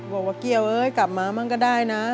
บอกว่าเกี้ยวเอ้ยกลับมาบ้างก็ได้นะ